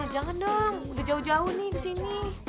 jangan dong udah jauh jauh nih kesini